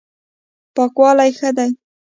پاکوالی ښه دی.